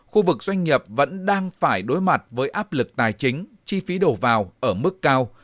khu vực doanh nghiệp vẫn đang phải đối mặt với áp lực tài chính chi phí đổ vào ở mức cao